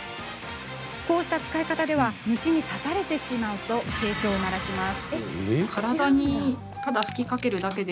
こうした使い方では虫に刺されてしまうと警鐘を鳴らします。